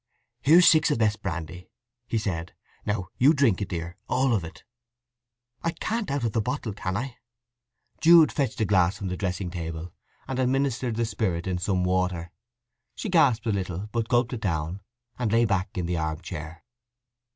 "Here's six of best brandy," he said. "Now you drink it, dear; all of it." "I can't out of the bottle, can I?" Jude fetched the glass from the dressing table, and administered the spirit in some water. She gasped a little, but gulped it down, and lay back in the armchair.